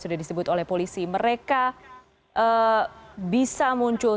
bahkan kelompok buruh dan mahasiswa pun ketika terpanting mereka keluar